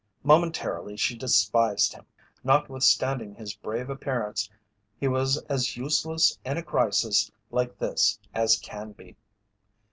Momentarily she despised him. Notwithstanding his brave appearance he was as useless in a crisis like this as Canby.